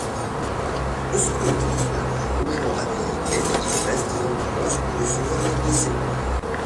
De son côté la Croix-Rouge américaine y dresse des ambulances pour recevoir les blessés.